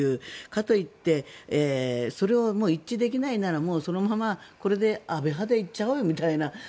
かといって、それを一致できないならもうそのままこれで安倍派で行っちゃおうよみたいな。